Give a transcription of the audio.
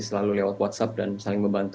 selalu lewat whatsapp dan saling membantu